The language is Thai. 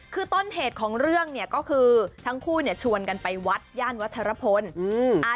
คือต้นเหตุของเรื่องเนี่ยก็คือทั้งคู่เนี่ยชวนกันไปวัดย่านวัชรพลอืม